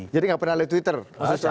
jadi gak pernah lewet twitter khususnya